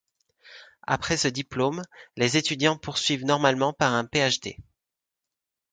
Après ce diplôme, les étudiants poursuivent normalement par un Ph.D..